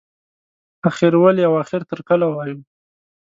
اخر ولې او اخر تر کله وایو.